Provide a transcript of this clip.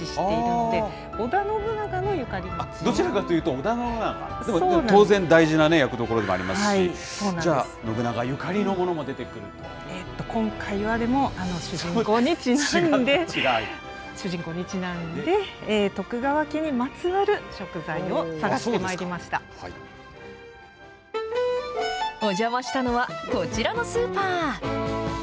でも当然大事な役どころでもありますし、じゃあ、信長ゆかりのも今回はでも、主人公にちなんで、主人公にちなんで、徳川家にまつわる食材を探してまいりましお邪魔したのは、こちらのスーパー。